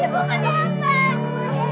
ambil lah ibu